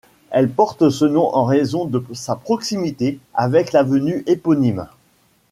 Elle porte ce nom en raison de sa proximité avec l'avenue éponyme.